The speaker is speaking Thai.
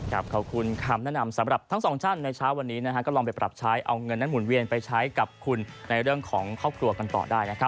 ขอบคุณคำแนะนำสำหรับทั้งสองท่านในเช้าวันนี้นะฮะก็ลองไปปรับใช้เอาเงินนั้นหมุนเวียนไปใช้กับคุณในเรื่องของครอบครัวกันต่อได้นะครับ